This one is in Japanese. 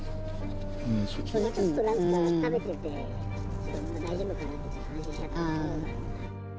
ちょっとなんか食べてて、大丈夫かなってちょっと安心しちゃったところが。